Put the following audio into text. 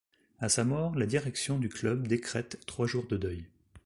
À sa mort, la direction du club décrète trois jours de deuil.